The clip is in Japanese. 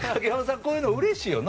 こういうのうれしいよな。